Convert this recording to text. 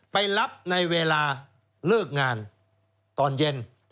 ไปรับในเวลาเลิกงานตอนเย็น